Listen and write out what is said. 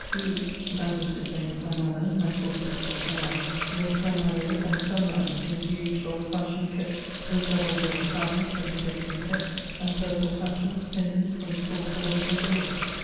We, that is to say, my mother, my four sisters and I, left St. Malo at sunrise, in a huge old fashioned coach, with double gilt pannels and projecting steps and purple tassels pendent from the four comers of the roof.